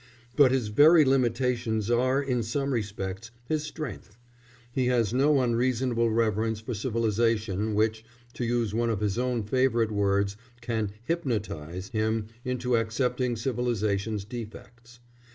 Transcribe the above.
But his very limitations are, in some respects, his strength. He has no unreasonable reverence for civilisation which, to use one of his own favourite words, can "hypnotise" him into accepting civilisation's defects.